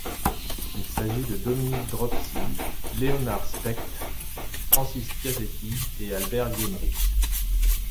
Il s'agit de Dominique Dropsy, Léonard Specht, Francis Piasecki et Albert Gemmrich.